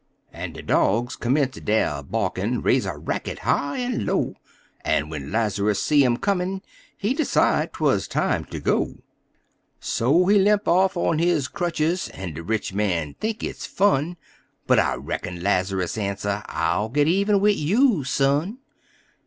En de dogs commence dey barkin', raise a racket high en low, En when Laz'rus see 'em comin' he decide 'twuz time ter go. So, he limp off on his crutches, en de rich man think it's fun, But I reckon Laz'rus answer: "I'll git even wid you, son!"